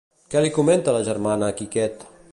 Què li comenta la germana a Quiquet?